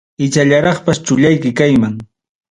Ichallaraqpas chullayki kayman.